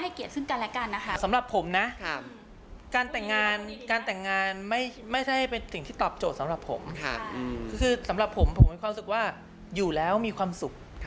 คือสำหรับผมผมมีความสุขว่าอยู่แล้วมีความสุข